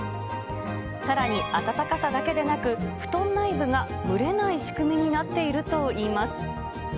さらに暖かさだけでなく、布団内部が蒸れない仕組みになっているといいます。